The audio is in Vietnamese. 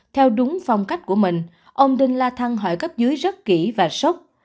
theo đúng phong cách của mình ông đinh la thăng hỏi gấp dưới rất kỹ và sốc